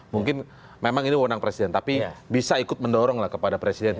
mungkin memang ini wonang presiden tapi bisa ikut mendorong lah kepada presiden